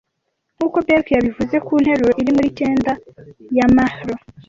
Nkuko Berg yabivuze ku nteruro iri muri cyenda ya Mahler;